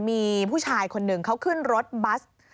มีผู้ชายคนหนึ่งเขาขึ้นรถบัส